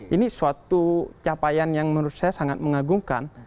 ini suatu capaian yang menurut saya sangat mengagumkan